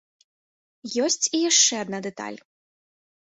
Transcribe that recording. Ёсць і яшчэ адна дэталь.